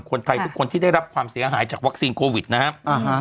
คนไทยทุกคนที่ได้รับความเสียหายจากวัคซีนโควิดนะครับ